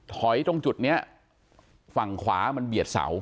ถอยตรงจุดฝั่งขวามันเบียดเสา